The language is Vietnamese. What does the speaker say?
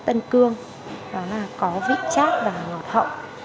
vùng đất tân cương có vị chát và ngọt hậu